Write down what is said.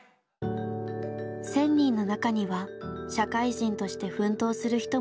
１，０００人の中には社会人として奮闘する人もいました。